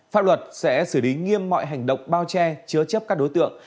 pháp luật sẽ xử lý nghiêm mọi hành động bao che chứa chấp các đối tượng